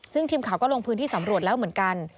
ซึ่งทีมข่าวก็ลงพื้นที่สำรวจแล้วเหมือนกัน